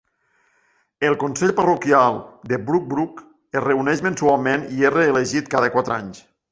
El consell parroquial de Bugbrooke es reuneix mensualment i és reelegit cada quatre anys.